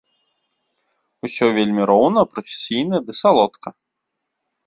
Усё вельмі роўна, прафесійна ды салодка.